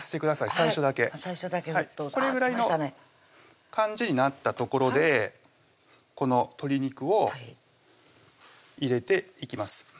最初だけこれぐらいの感じになったところでこの鶏肉を入れていきます